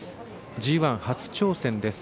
ＧＩ初挑戦です。